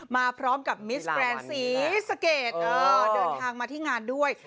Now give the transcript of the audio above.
มาพร้อมกับมิสแกรนด์ศรีสะเกดเดินทางมาที่งานด้วย